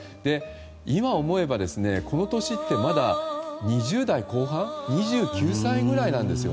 今思えば、この年ってまだ２０代後半２９歳ぐらいなんですよ。